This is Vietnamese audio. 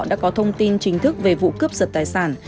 đã có thông tin chính thức về vụ cướp giật tài sản